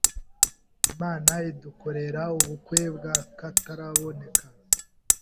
Imana idukorera ubukwe bwakataraboneka.